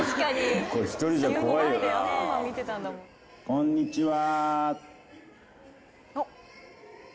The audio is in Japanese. こんにちは。